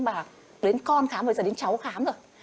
mà đến con khám bây giờ đến cháu khám rồi